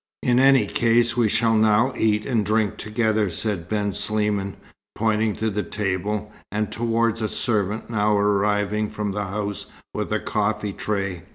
"In any case we shall now eat and drink together," said Ben Sliman, pointing to the table, and towards a servant now arriving from the house with a coffee tray.